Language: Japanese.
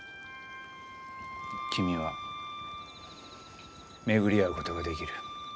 君は巡り会うことができる。